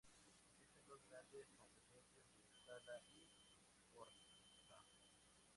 Existen dos grandes competiciones de escala i corda.